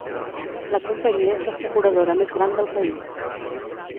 La companyia és l'asseguradora més gran del país.